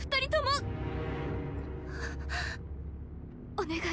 お願い